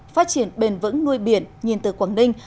phát triển bền vững nuôi biển nhìn từ quảng ninh